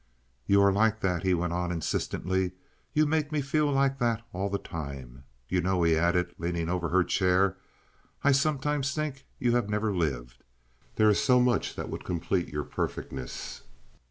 "You are like that," he went on, insistently. "You make me feel like that all the time. You know," he added, leaning over her chair, "I sometimes think you have never lived. There is so much that would complete your perfectness.